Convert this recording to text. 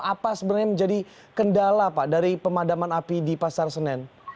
apa sebenarnya menjadi kendala pak dari pemadaman api di pasar senen